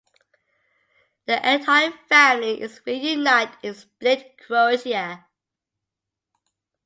The entire family is reunited in Split, Croatia.